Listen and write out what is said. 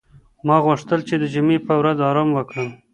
ما غوښتل چې د جمعې په ورځ ارام وکړم.